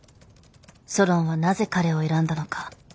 ソロンはなぜ彼を選んだのか。